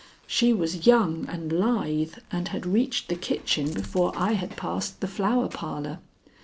She was young and lithe, and had reached the kitchen before I had passed the Flower Parlor.